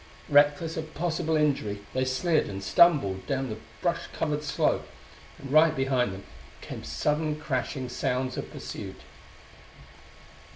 Reckless of possible injury, they slid and stumbled down the brush covered slope and right behind them came sudden crashing sounds of pursuit.